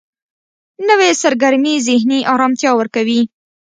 نوې سرګرمي ذهني آرامتیا ورکوي